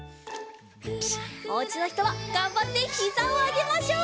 おうちのひとはがんばってひざをあげましょう！